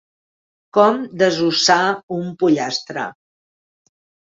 Com desossar un pollastre.